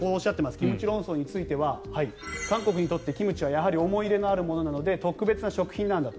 キムチ論争については韓国にとってキムチはやはり思い入れがあるものなので特別な食品なんだと。